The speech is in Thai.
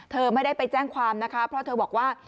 เธอไม่ได้ไปแจ้งความนะคะเพราะเธอบอกว่า